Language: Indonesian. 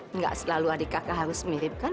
enggak selalu adik kakak harus mirip kan